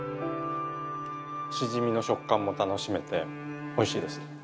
しじみの食感も楽しめて美味しいです。